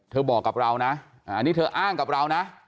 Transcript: บอกกับเรานะอันนี้เธออ้างกับเรานะ